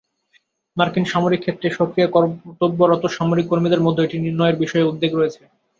মার্কিন সামরিক ক্ষেত্রে সক্রিয় কর্তব্যরত সামরিক কর্মীদের মধ্যে এটি নির্ণয়ের বিষয়ে উদ্বেগ রয়েছে।